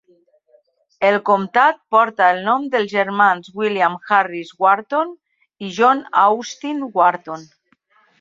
El comtat porta el nom dels germans William Harris Wharton i John Austin Wharton.